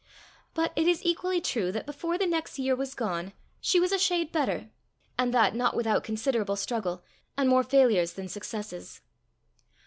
But it is equally true that before the next year was gone, she was a shade better and that not without considerable struggle, and more failures than successes.